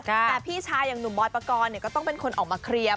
แต่พี่ชายังหนุ่มบอสปะกรเนี่ยก็ต้องเป็นคนออกมาเคลียบ